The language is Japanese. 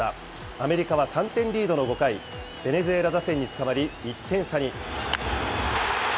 アメリカは３点リードの５回、ベネズエラ打線につかまり１点差に。